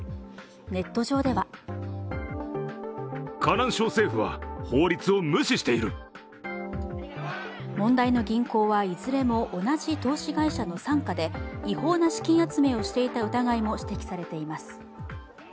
ネット上では問題の銀行はいずれも同じ投資会社の傘下で違法な資金集めをしていた疑いも指摘されています。